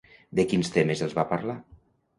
De quins temes els va parlar?